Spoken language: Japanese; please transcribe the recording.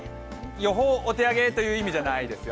予報、お手上げという意味じゃないですよ。